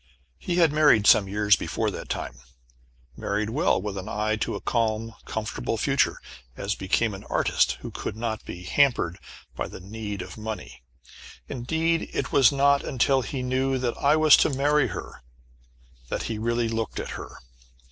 He had married some years before that time, married well with an eye to a calm comfortable future, as became an artist who could not be hampered by the need of money. Indeed, it was not until he knew that I was to marry her that he really looked at her.